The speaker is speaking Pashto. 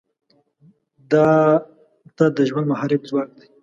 دا لټه د ژوند محرک ځواک دی.